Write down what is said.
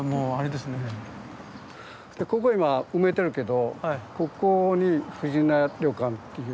でここ今埋めてるけどここに藤乃屋旅館っていう。